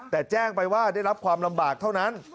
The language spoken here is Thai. แต่แจ้งไปว่าได้รับความลำบากเท่านั้น